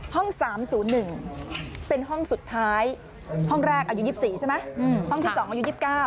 ๓๐๑เป็นห้องสุดท้ายห้องแรกอายุ๒๔ใช่ไหมห้องที่๒อายุ๒๙